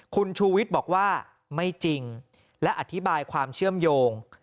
คุณชูวิทย์บอกว่าไม่จริงและอธิบายความเชื่อมโยง